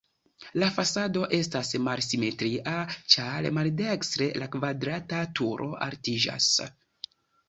La fasado estas malsimetria, ĉar maldekstre la kvadrata turo altiĝas.